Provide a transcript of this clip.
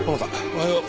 おはよう。